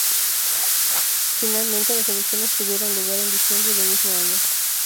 Finalmente las elecciones tuvieron lugar en diciembre del mismo año.